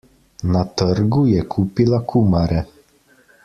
Na trgu je kupila kumare.